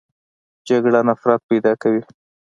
جګړه نفرت پیدا کوي